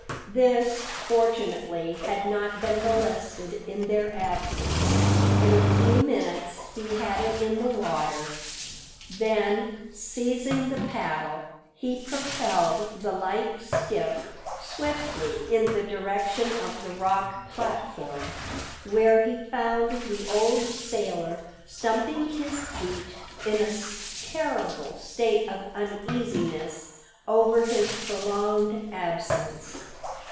This, fortunately, had not been molested in their absence; in a few minutes he had it in the water. Then, seizing the paddle, he propelled the light skiff swiftly in the direction of the rock platform, where he found the old sailor stumping his beat in a terrible state of uneasiness over his prolonged absence.